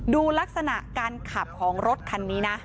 ดูลักษณะการขับของรถคันนี้นะ